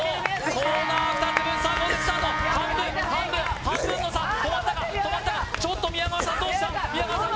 コーナー２つ分さあどうだスタート半分半分半分の差止まったかオエッ止まったかちょっと宮川さんどうした宮川さん